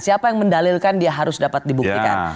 siapa yang mendalilkan dia harus dapat dibuktikan